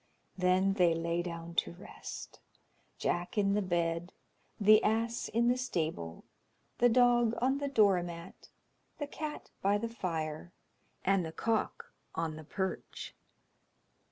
Then they lay down to rest; Jack in the bed, the ass in the stable, the dog on the door mat, the cat by the fire, and the cock on the perch.